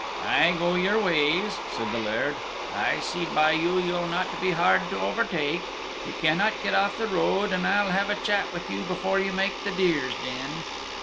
"Aye, go your ways!" said the Laird; "I see by you, you'll not be very hard to overtake. You cannot get off the road, and I'll have a chat with you before you make the Deer's Den."